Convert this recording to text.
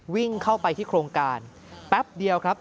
วิ่งเข้าไปที่โครงการแป๊บเดียวครับ